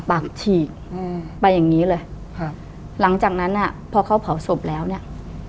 ปากฉีกอืมไปอย่างงี้เลยครับหลังจากนั้นอ่ะพอเขาเผาศพแล้วเนี้ย